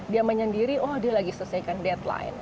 dia menyendiri oh dia lagi selesaikan deadline